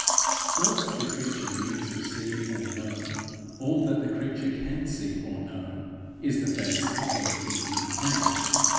All that the creature needs to see or know, all that the creature can see or know, is the face of him from whom he came.